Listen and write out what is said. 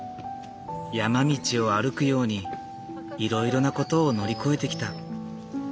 山道を歩くようにいろいろなことを乗り越えてきた。